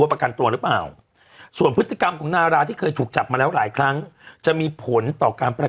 เรามีเสียงกองโลดซักนิดหนึ่งมั้ยลูกไม่มีนะฮะ